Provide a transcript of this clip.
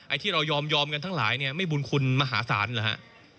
ที่เรายอมกันทั้งหลายเนี่ยไม่บุญคุณมหาศาลเหรอฮะ